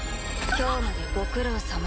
今日までご苦労さま。